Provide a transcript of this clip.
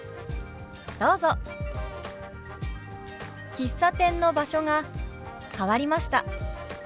「喫茶店の場所が変わりました」。